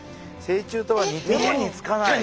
成虫とは似ても似つかない。